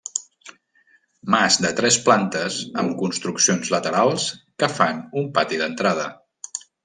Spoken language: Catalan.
Mas de tres plantes amb construccions laterals que fan un pati d'entrada.